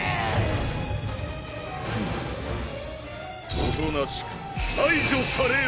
おとなしく排除されよ！